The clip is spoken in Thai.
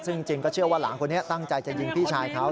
ซึ่งจริงก็เชื่อว่าหลานคนนี้ตั้งใจจะยิงพี่ชายเขา